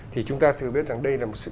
thì chúng ta thường biết rằng đây là một sự